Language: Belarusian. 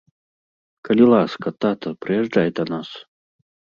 Калі ласка, тата, прыязджай да нас.